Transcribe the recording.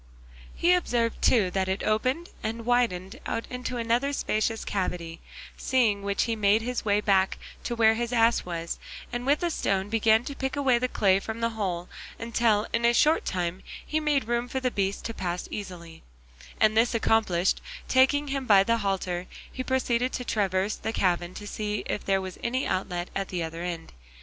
He observed too that it opened and widened out into another spacious cavity; seeing which he made his way back to where the ass was, and with a stone began to pick away the clay from the hole until in a short time he had made room for the beast to pass easily, and this accomplished, taking him by the halter, he proceeded to traverse the cavern to see if there was any outlet at the other end.